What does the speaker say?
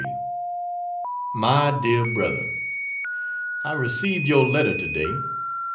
MY DEAR BROTHER, I received your letter today.